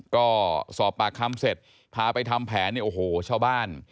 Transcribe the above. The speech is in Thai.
ก็สอบปากคำเสร็จพาไปทำแผนโอ้โหเช่าบ้าน